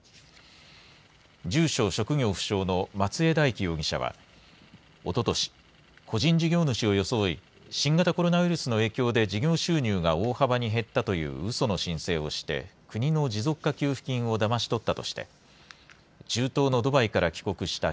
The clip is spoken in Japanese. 住所・職業不詳の松江大樹容疑者は、おととし、個人事業主を装い新型コロナウイルスの影響で事業収入が大幅に減ったといううその申請をして国の持続化給付金をだまし取ったとして中東のドバイから帰国した